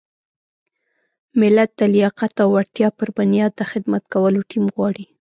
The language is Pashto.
ملت د لیاقت او وړتیا پر بنیاد د خدمت کولو ټیم غواړي.